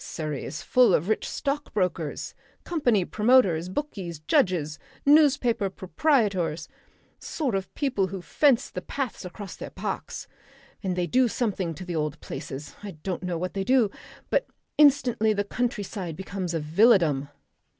Surrey is full of rich stockbrokers, company promoters, bookies, judges, newspaper proprietors. Sort of people who fence the paths across their parks. They do something to the old places I don't know what they do but instantly the countryside becomes a villadom.